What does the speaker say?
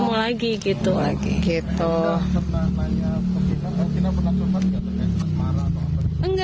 anda pernah bertanya ke teman teman anda tidak pernah bertanya ke teman teman anda